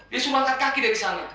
dia suruh angkat kaki dari sana